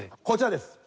こちらです。